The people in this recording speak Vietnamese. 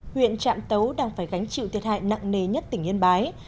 huyện trạm tấu đang phải gánh chịu thiệt hại nặng nề nhất tỉnh yên bái